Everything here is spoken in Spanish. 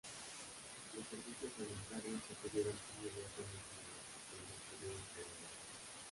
Los servicios sanitarios acudieron inmediatamente al lugar, pero no pudieron reanimarlo.